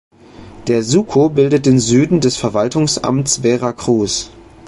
Der Suco bildet den Süden des Verwaltungsamts Vera Cruz.